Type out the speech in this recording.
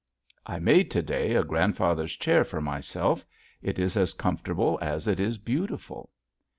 I made to day a grandfather's chair for myself. It is as comfortable as it is beautiful.